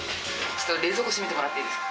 ちょっと冷蔵庫閉めてもらっていいですか？